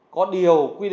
có điều quy định